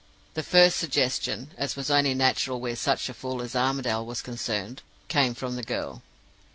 "The first suggestion (as was only natural where such a fool as Armadale was concerned) came from the girl.